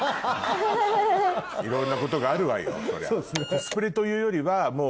いろんなことがあるわよ。